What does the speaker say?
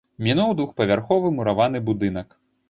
Мінуў двухпавярховы мураваны будынак.